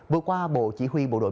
vừa qua bộ chỉ huy bộ đội